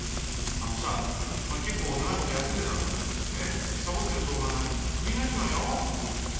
あのさお前結構長いこと休んでたんだからえっ？サボってるとお前クビになっちまうよ？